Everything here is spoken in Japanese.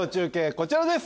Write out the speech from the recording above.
こちらです